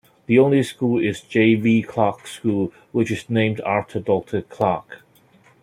The only school is J. V. Clark School, which is named after Doctor Clark.